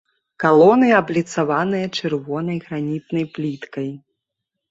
Калоны абліцаваныя чырвонай гранітнай пліткай.